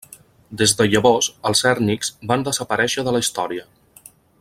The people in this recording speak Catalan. Des de llavors els hèrnics van desaparèixer de la història.